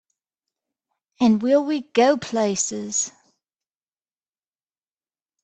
And will we go places!